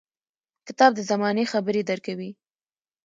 • کتاب د زمانې خبرې درکوي.